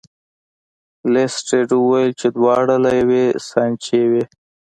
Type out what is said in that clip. لیسټرډ وویل چې دواړه له یوې سانچې وې.